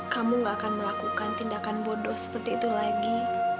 kamu gak akan melakukan tindakan bodoh seperti itu lagi